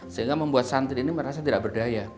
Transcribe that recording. sehingga membuat santri ini merasa tidak berdaya